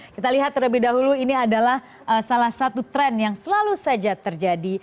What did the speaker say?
kita lihat terlebih dahulu ini adalah salah satu tren yang selalu saja terjadi